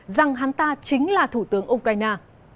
rằng hắn ta chính là thủ tướng ukraine